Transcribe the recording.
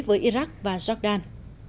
với iraq và jordan